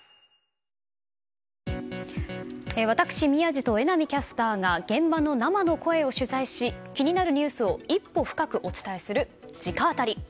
私、宮司と榎並キャスターが現場の生の声を取材し気になるニュースを一歩深くお伝えする直アタリ。